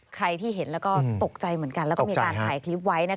ใครที่เห็นแล้วก็ตกใจเหมือนกันแล้วก็มีการถ่ายคลิปไว้